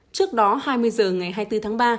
trước đó hai mươi h ngày hai mươi bốn tháng ba